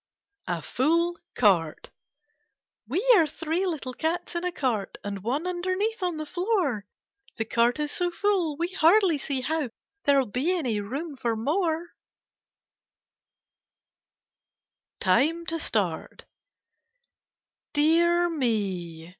A FULL CAET We are three little oats in a cart And one underneath on the floor, The cart is so full we hardly see how There'll be any room for more. 10 KITTENS AND CATS TIME TO START Dear me!